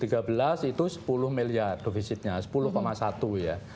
g dua dua ribu tiga belas itu sepuluh miliar divisitnya sepuluh satu ya